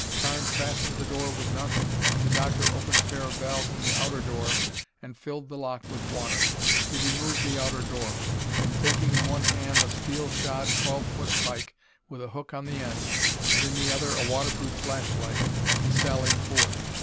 Carnes fastened the door with nuts and the Doctor opened a pair of valves in the outer door and filled the lock with water. He removed the outer door; and, taking in one hand a steel shod twelve foot pike with a hook on the end, and in the other a waterproof flashlight, he sallied forth.